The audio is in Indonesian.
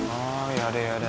oh yaudah yaudah